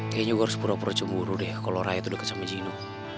kayaknya gue harus pura pura cemburu deh kalau raya tuh deket sama gino